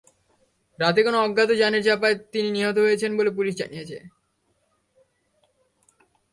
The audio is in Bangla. রাতে কোনো অজ্ঞাত যানের চাপায় তিনি নিহত হয়েছেন বলে পুলিশ জানিয়েছে।